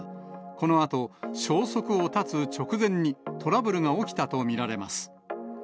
このあと、消息を絶つ直前にトラブルが起きたと見られます。